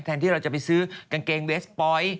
แทนที่เราจะไปซื้อกางเกงเบสปอย